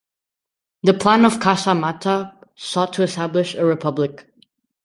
The Plan of Casa Mata sought to establish a republic.